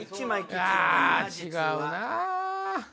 あ違うな。